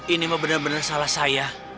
ini mah bener bener salah saya